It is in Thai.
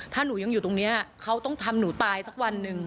ถ้าหนูยังอยู่ตรงนี้เขาต้องทำหนูตายสักวันหนึ่ง